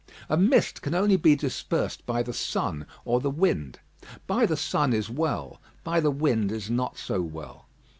A mist can only be dispersed by the sun or the wind. By the sun is well; by the wind is not so well.